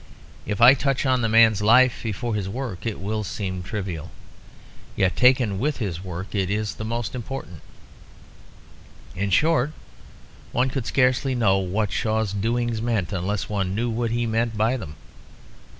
If I touch on the man's life before his work, it will seem trivial; yet taken with his work it is most important. In short, one could scarcely know what Shaw's doings meant unless one knew what he meant by them.